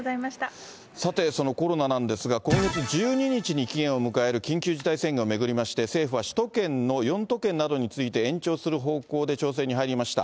さて、そのコロナなんですが、今月１２日に期限を迎える緊急事態宣言を巡りまして、政府は首都圏の４都県などについて延長する方向で調整に入りました。